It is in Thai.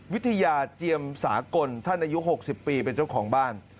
วิทยาเจียมสากลท่านอายุ๖๐ปีเป็นเจ้าของบ้าน